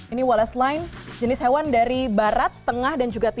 ini walas lain jenis hewan dari barat tengah dan juga tinggi